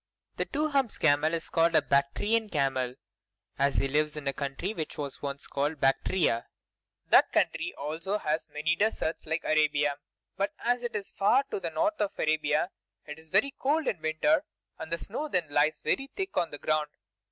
The Two Humps camel is called a Bactrian camel, as he lives in a country which was once called Bactria. That country also has many deserts, like Arabia; but as it is far to the north of Arabia, it is very cold in winter, and the snow then lies very thick on the ground.